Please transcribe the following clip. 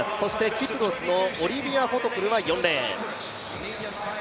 キプロスのオリビア・フォトプルは４レーン。